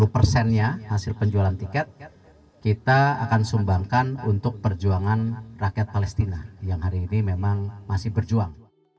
lima puluh persennya hasil penjualan tiket kita akan sumbangkan untuk perjuangan rakyat palestina yang hari ini memang masih berjuang